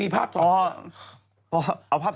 ปรากฏว่าพอ